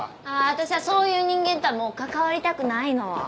私はそういう人間とはもう関わりたくないの。